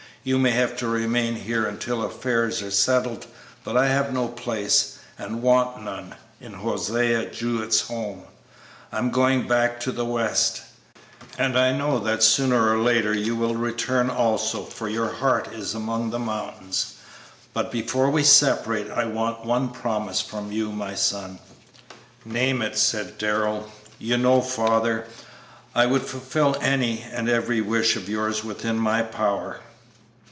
You may have to remain here until affairs are settled, but I have no place, and want none, in Hosea Jewett's home. I am going back to the West; and I know that sooner or later you will return also, for your heart is among the mountains. But before we separate I want one promise from you, my son." "Name it," said Darrell; "you know, father, I would fulfil any and every wish of yours within my power."